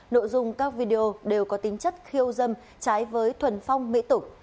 nội dung các video đều có tính chất khiêu dâm trái với thuần phong mỹ tục